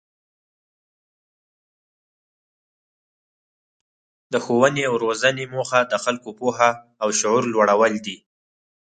د ښوونې او روزنې موخه د خلکو پوهه او شعور لوړول دي.